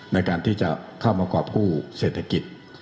ในการที่จะเข้ามากรอบคู่เศรษฐกิจ